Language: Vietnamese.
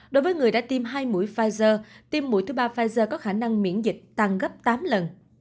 đối với người đã tiêm hai mũi pfizer tim mũi thứ ba pfizer có khả năng miễn dịch tăng gấp tám lần